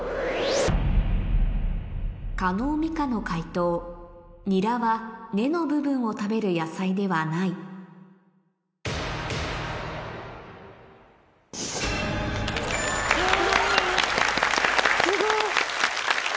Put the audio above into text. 叶美香の解答にらは根の部分を食べる野菜ではないはぁすごい。